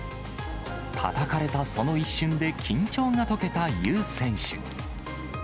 たたかれたその一瞬で緊張が解けたユ選手。